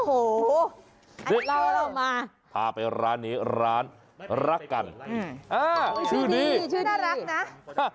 โอ้โฮนี่พาไปร้านนี้ร้านรักกันอ้าวชื่อดีชื่อดีน่ารักนะ